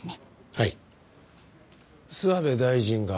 はい。